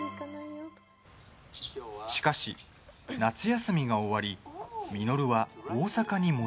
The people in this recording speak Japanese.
しかし、夏休みが終わり稔は大阪に戻ることに。